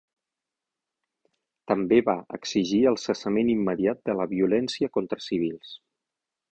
També va exigir el cessament immediat de la violència contra civils.